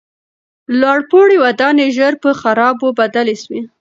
لوړپوړي ودانۍ ژر په خرابو بدلې سوې.